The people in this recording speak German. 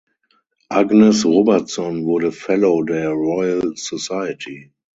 Agnes Robertson wurde Fellow der Royal Society.